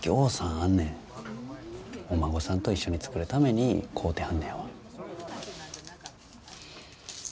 お孫さんと一緒に作るために買うてはんねやわ。